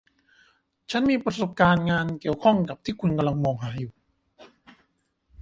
ฉันมีประสบการณ์งานเกี่ยวข้องกับที่คุณกำลังมองหาอยู่